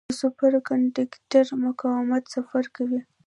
د سوپر کنډکټر مقاومت صفر کوي.